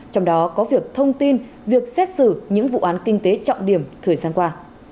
trong đó có việc thông tin việc xét xử những vụ án kinh tế trọng điểm thời gian qua